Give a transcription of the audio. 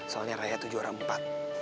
soalnya raya tuh juara empat